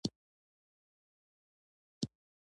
عشق د ژوند انرژي ده.